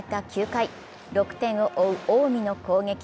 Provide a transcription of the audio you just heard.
９回、６点を追う近江の攻撃。